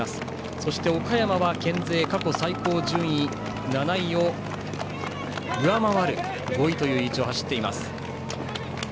そして、岡山は県勢過去最高順位７位を上回る５位という位置を走っています。